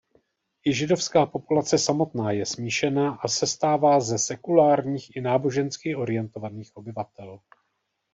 I židovská populace samotná je smíšená a sestává ze sekulárních i nábožensky orientovaných obyvatel.